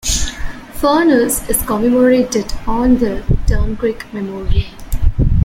Furness is commemorated on the Dunkirk Memorial.